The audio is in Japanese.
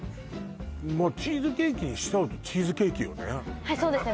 まあチーズケーキにしちゃうとチーズケーキよねはいそうですね